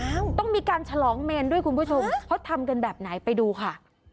ต้องมีการฉลองเมนด้วยคุณผู้ชมเขาทำกันแบบไหนไปดูค่ะ